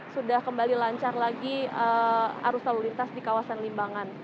sudah kembali lancar lagi arus lalu lintas di kawasan limbangan